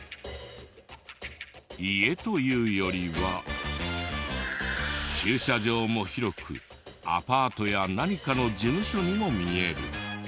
家というよりは駐車場も広くアパートや何かの事務所にも見える。